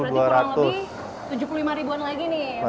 berarti kurang lebih tujuh puluh lima ribuan lagi nih